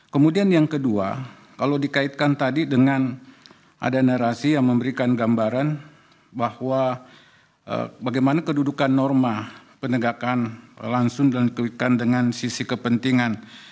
kemudian yang kedua kalau dikaitkan tadi dengan ada narasi yang memberikan gambaran bahwa bagaimana kedudukan norma penegakan langsung dan dikaitkan dengan sisi kepentingan